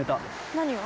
「何を？」